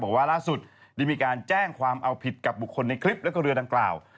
บอกว่าล่าสุดได้มีการแจ้งความเอาผิดกับบุคคลในคลิปแล้วก็เรือดังกล่าว